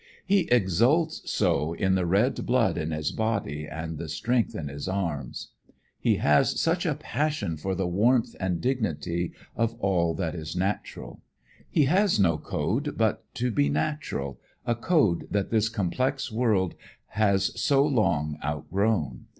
He exults so in the red blood in his body and the strength in his arms. He has such a passion for the warmth and dignity of all that is natural. He has no code but to be natural, a code that this complex world has so long outgrown.